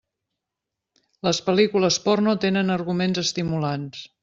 Les pel·lícules porno tenen arguments estimulants.